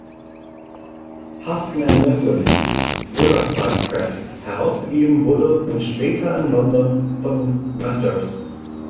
Houghton and Mifflin, Riverside Press, herausgegeben wurde und später in London von Messrs.